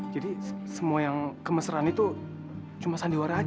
jadi semua yang kemesraan itu cuma sandiwara saja